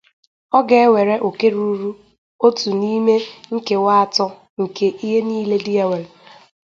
ọ ga-ewere òkè ruru otu n'ime nkewa atọ nke ihe niile di ya nwere